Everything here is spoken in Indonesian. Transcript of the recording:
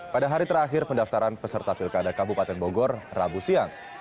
pada hari terakhir pendaftaran peserta pilkada kabupaten bogor rabu siang